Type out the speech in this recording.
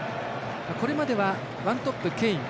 これまではワントップ、ケイン。